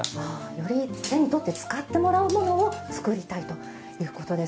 より手に取って使ってもらうものを作りたいということです。